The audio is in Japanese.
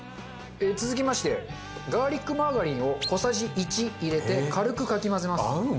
続きましてガーリックマーガリンを小さじ１入れて軽くかき混ぜます。